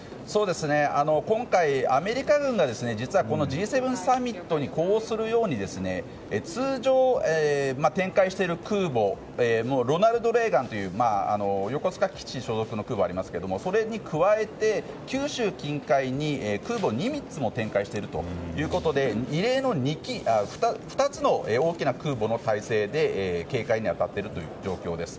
今回、アメリカ軍が実はＧ７サミットに呼応するように通常、展開している空母の「ロナルド・レーガン」という横須賀基地所属の空母がありますがそれに加えて、九州近海に空母「ニミッツ」も展開しているということで異例の２つの大きな空母の体制で警戒に当たっている状況です。